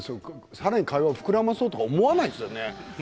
さらに会話を膨らまそうと思わないですよね。